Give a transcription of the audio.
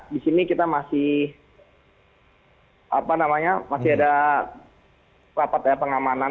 di sini kita masih apa namanya masih ada rapat pengamanan